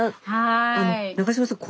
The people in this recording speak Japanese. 中島さん。